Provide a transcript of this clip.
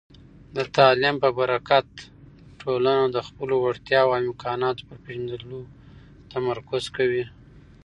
د تعلیم په برکت، ټولنه د خپلو وړتیاوو او امکاناتو پر پېژندلو تمرکز کوي.